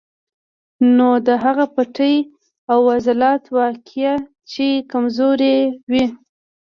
نو د هغو پټې او عضلات واقعي چې کمزوري وي